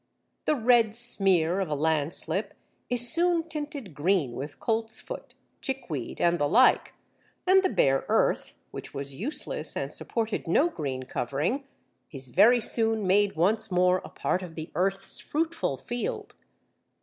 The "red smear" of a landslip is soon tinted green with Coltsfoot, Chickweed and the like, and the bare earth, which was useless and supported no green covering, is very soon made once more a part of the earth's fruitful field.